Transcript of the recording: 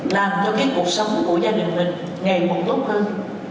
làm cho cái cuộc sống của gia đình mình ngày một tốt hơn